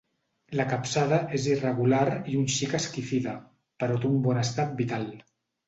La capçada és irregular i un xic esquifida, però té un bon estat vital.